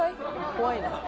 怖いな」